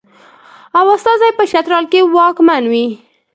او استازی یې په چترال کې واکمن وي.